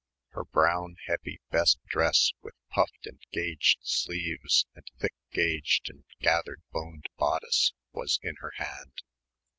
Her brown, heavy best dress with puffed and gauged sleeves and thick gauged and gathered boned bodice was in her hand.